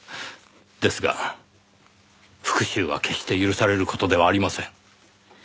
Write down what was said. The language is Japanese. ですが復讐は決して許される事ではありません。